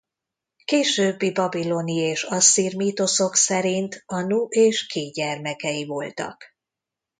Későbbi babiloni és asszír mítoszok szerint Anu és Ki gyermekei voltak.